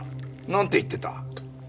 なんて言ってた？